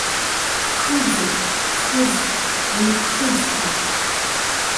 Ԥхыӡуп, ԥхыӡ, ианыԥхыӡха…